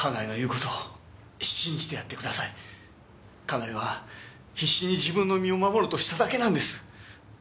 家内は必死に自分の身を守ろうとしただけなんです。